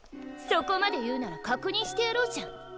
そこまで言うならかくにんしてやろうじゃん。